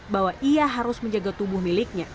bahwa ia harus menjaga tubuh miliknya